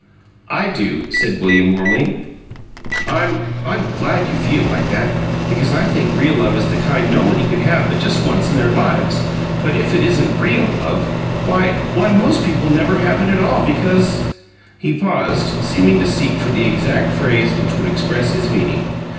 "I do," said William, warmly. "I I'm glad you feel like that, because I think real love is the kind nobody could have but just once in their lives, but if it isn't REAL love, why why most people never have it at all, because " He paused, seeming to seek for the exact phrase which would express his meaning.